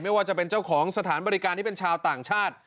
ไม่ว่าจะเป็นเจ้าของสถานบริการที่เป็นชาวต่างชาติ